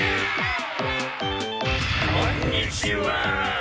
こんにちは！